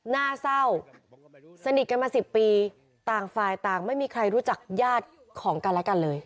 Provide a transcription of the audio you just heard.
หน้าเศร้าสนิทกันมา๑๐ปีต่างฝ่ายต่างไม่มีใครรู้จักญาติของกันและกันเลย